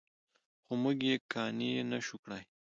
خو موږ یې قانع نه شوو کړی.